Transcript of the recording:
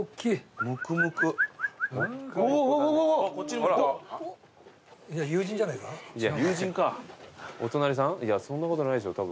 いやそんなことないでしょ